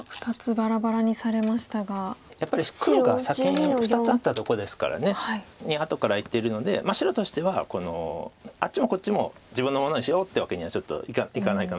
先に２つあったとこですから。に後からいってるので白としてはあっちもこっちも自分のものにしようってわけにはちょっといかないかなと。